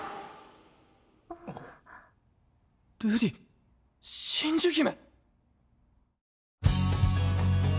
瑠璃真珠姫！